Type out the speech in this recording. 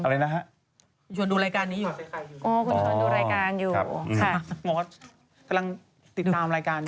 อะไรนะฮะ